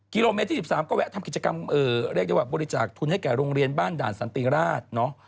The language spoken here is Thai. กิโลเมตรที่๑๓ก็แวะทำกิจกรรมเรียกได้ว่าบริจาคทุนให้แก่โรงเรียนบ้านด่านสันติราช